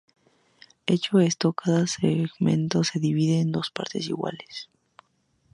Hecho esto, cada segmento se divide en dos partes iguales.